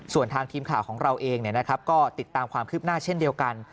ส่วนทางทีมข่าวของเราเองก็ติดตามความคืบหน้าเช่นเดียวกัน